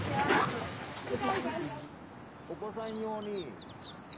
お子さん用に。